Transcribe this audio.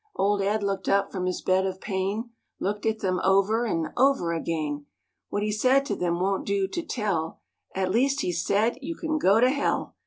Old Ed looked up from his bed of pain, Looked at them over and over again. What he said to them won't do to tell, At least he said, "You can go to hell!